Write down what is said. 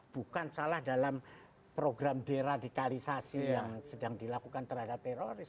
bukan salah dalam program deradikalisasi yang sedang dilakukan terhadap teroris